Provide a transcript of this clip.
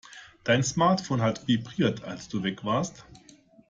Dein Smartphone hat vibriert, als du weg warst.